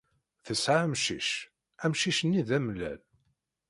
Tesɛa amcic. Amcic-nni d amellal.